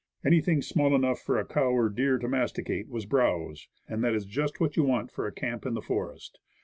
Anything small enough for a cow or deer to masticate was browse. And that is just what you want for a camp in the forest.